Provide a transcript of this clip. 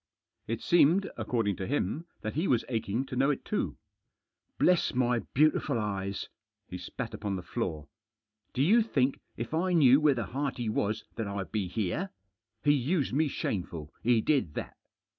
It seemed, according to him, that he was aching to know it too. " Bless my beautiful eyes 1 " He spat upon the floor. " Do you think if I knew where the hearty was that Fd be here? He used me shameful, he did that."